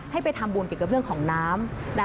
ให้ไปทำบุญเกี่ยวกับเรื่องของน้ำ